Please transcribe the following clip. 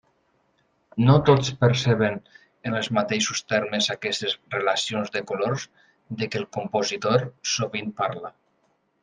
No tots perceben en els mateixos termes aquestes relacions de colors de què el compositor sovint parla.